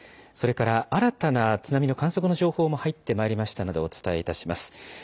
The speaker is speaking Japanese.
それから新たな津波の観測の情報も入ってまいりましたので、お伝えいたします。